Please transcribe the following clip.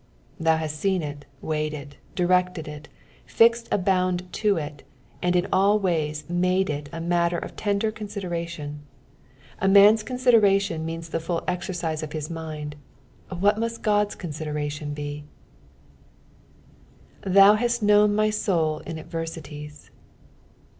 '" Thou hast seen it, weighed it, directed it, fixed a hound to it, and in all ways made it a matter of tender consideration. A man's con sideration means the full exercise of his mind ; whst must Ood's consideration bel " Thou /uut knoum my toul in adoerntiet."